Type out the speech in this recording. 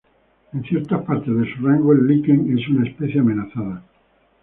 En ciertas partes de su rango el liquen es una especie amenazada.